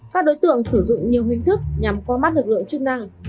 các đối tượng sử dụng nhiều hình thức nhằm qua mắt lực lượng chức năng